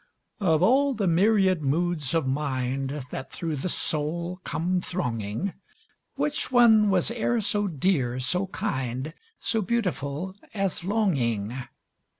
Of all the myriad moods of mind That through the soul come thronging, Which one was e'er so dear, so kind, So beautiful as Longing?